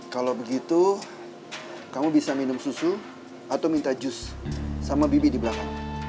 kalau begitu kamu bisa minum susu atau minta jus sama bibi di belakang